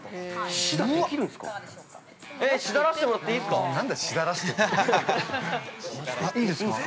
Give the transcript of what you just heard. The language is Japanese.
試打らしてもらっていいっすか。